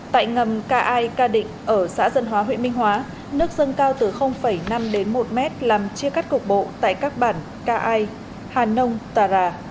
tại ngầm ca ai ca định ở xã dân hóa huyện minh hóa nước dâng cao từ năm đến một mét làm chia cắt cục bộ tại các bản ca ai hà nông tà rà